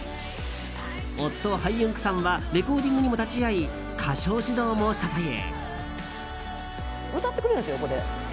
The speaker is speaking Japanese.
夫、ハイユンクさんはレコーディングにも立ち会い歌唱指導もしたという。